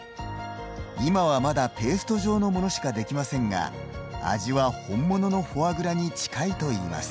今はまだペースト状のものしかできませんが味は、本物のフォアグラに近いといいます。